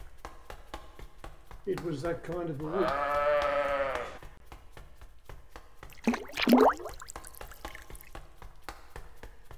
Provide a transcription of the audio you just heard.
It was that kind of a week.